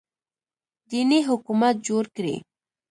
دیني حکومت جوړ کړي